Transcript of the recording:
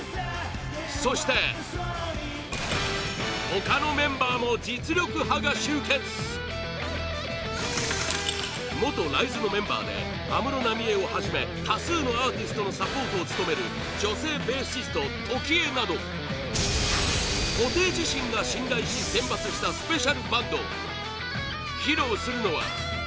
そして、他のメンバーも実力派が集結元 ＲＩＺＥ のメンバーで安室奈美恵をはじめ多数のアーティストのサポートを務める女性ベーシスト、ＴＯＫＩＥ など布袋自身が信頼し選抜したスペシャルバンド披露するのは